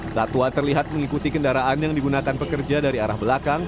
satwa terlihat mengikuti kendaraan yang digunakan pekerja dari arah belakang